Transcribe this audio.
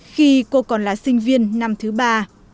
khi cô còn là sinh viên năm thứ ba